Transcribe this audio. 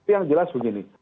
tapi yang jelas begini